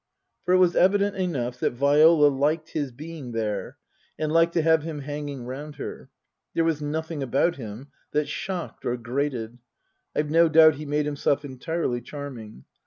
For it was evident enough that Viola liked his being there, and liked to have him hanging round her. There was nothing about him that shocked or grated. I've no doubt he made himself entirely charming.